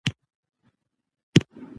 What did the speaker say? زه د خپلو وروڼو سره مرسته کوم.